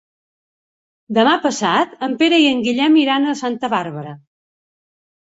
Demà passat en Pere i en Guillem iran a Santa Bàrbara.